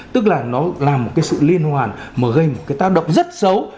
tức là nó là một cái sự liên hoàn mà gây một cái tác động rất xấu